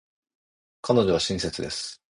彼女は親切です。